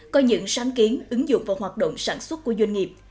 coi những sáng kiến ứng dụng và hoạt động sản xuất của doanh nghiệp